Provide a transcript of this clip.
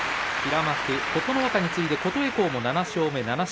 平幕、琴ノ若に次いで琴恵光も７勝目です。